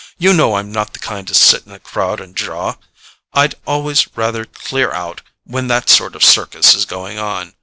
You know I'm not the kind to sit in a crowd and jaw—I'd always rather clear out when that sort of circus is going on.